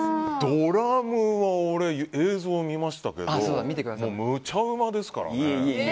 ドラムは俺、映像見ましたけどむちゃうまですからね。